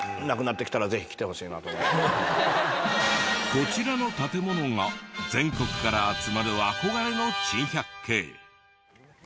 こちらの建物が全国から集まる憧れの珍百景。